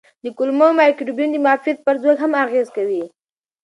د کولمو مایکروبیوم د معافیت پر ځواک هم اغېز کوي.